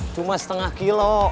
cuma setengah kilo